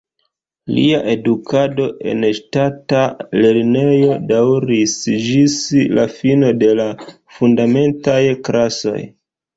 Lia edukado en ŝtata lernejo daŭris ĝis la fino de la fundamentaj klasoj.